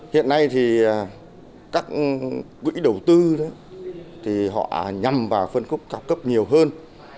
hiện nay các quỹ đầu tư nhằm vào phân khúc cao cấp nhiều hơn